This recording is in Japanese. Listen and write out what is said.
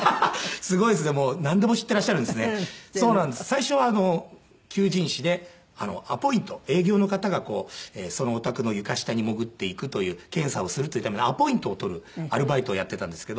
最初は求人誌でアポイント営業の方がそのお宅の床下に潜っていくという検査をするというためのアポイントを取るアルバイトをやっていたんですけど。